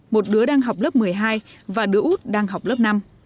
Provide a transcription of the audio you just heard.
một đứa đang học lớp một mươi hai và đứa út đang học lớp năm